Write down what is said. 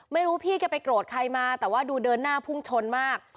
ไม่รู้พี่แกไปโกรธใครมาแต่ว่าดูเดินหน้าพุ่งชนมาก